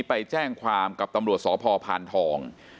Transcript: ไปแจ้งความกับตำรวจสพพานทอง